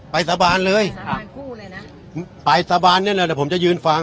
สาบานเลยสาบานคู่เลยนะไปสาบานเนี่ยนะเดี๋ยวผมจะยืนฟัง